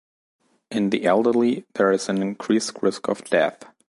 In the elderly there is an increased risk of death.